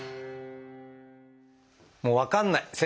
「もう分かんない！